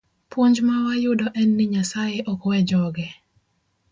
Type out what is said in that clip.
Puonj ma wayudo en ni Nyasaye ok we joge.